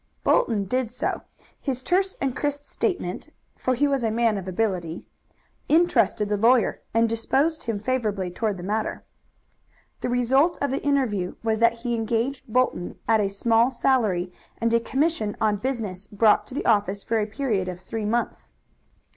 Bolton did so. His terse and crisp statement for he was a man of ability interested the lawyer, and disposed him favorably toward the matter. The result of the interview was that he engaged Bolton at a small salary and a commission on business brought to the office for a period of three months.